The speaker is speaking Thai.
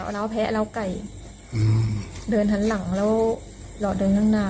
ราวแพ้ราวไก่เดินทางหลังแล้วเดินข้างหน้า